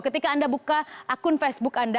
ketika anda buka akun facebook anda